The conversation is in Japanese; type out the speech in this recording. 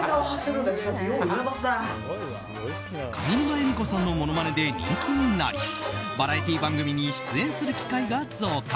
上沼恵美子さんのものまねで人気になりバラエティー番組に出演する機会が増加。